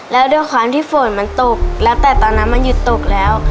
แล้วด้วยความที่ฝนมันตกแล้วแต่ตอนนั้นมันหยุดตกแล้ว